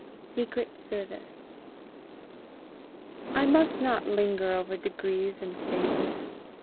SECRET SERVICE. I must not linger over degrees and phases.